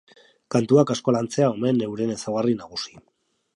Kantuak asko lantzea omen euren ezaugarri nagusi.